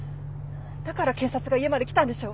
だから検察が家まで来たんでしょ？